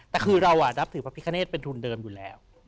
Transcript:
แต่คือเรานับถือพระพิคเนธเป็นทุนเดิมอยู่แล้ว